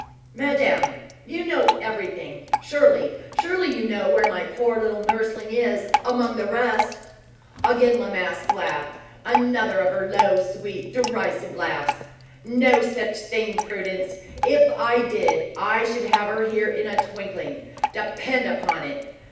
"Madame, you know everything surely, surely you know where my poor little nursling is, among the rest." Again La Masque laughed another of her low, sweet, derisive laughs. "No such thing, Prudence. If I did, I should have her here in a twinkling, depend upon it.